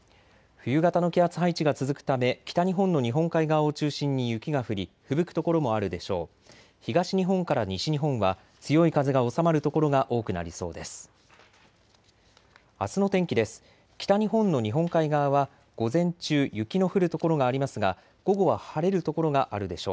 冬型の気圧配置が続くため北日本の日本海側を中心に雪が降り、ふぶく所もあるでしょう。